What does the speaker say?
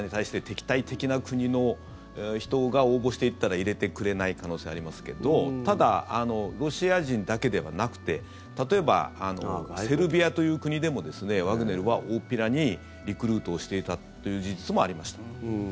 誰でもと言うとちょっと言いすぎになるかもしれないんですけども例えば、ロシアに対して敵対的な国の人が応募して行ったら入れてくれない可能性ありますがただ、ロシア人だけではなくて例えば、セルビアという国でもワグネルは大っぴらにリクルートをしていたという事実もありました。